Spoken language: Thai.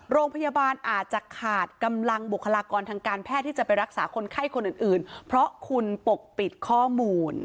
โรงพยาบาลอาจจะขาดกำลังบุคลากรทางการแพทย์ที่จะไปรักษาคนไข้คนอื่นเพราะคุณปกปิดข้อมูล